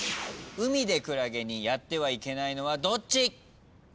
海でクラゲにやってはいけないのはどっち？